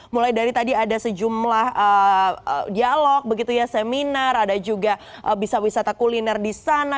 mulai dari tadi ada sejumlah dialog begitu ya seminar ada juga bisa wisata kuliner di sana